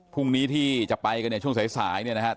พรุ่งนี้ที่จะไปกันเนี่ยช่วงสายเนี่ยนะครับ